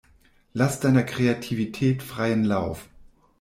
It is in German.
Lass deiner Kreativität freien Lauf.